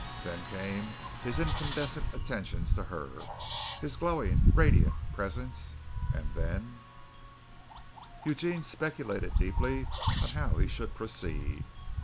Then came his incandescent attentions to her, his glowing, radiant presence and then Eugene speculated deeply on how he should proceed.